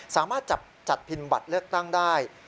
สามารถจัดพิมพ์บัตรเลือกตั้งได้